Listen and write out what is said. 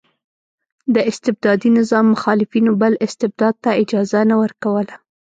د استبدادي نظام مخالفینو بل استبداد ته اجازه نه ورکوله.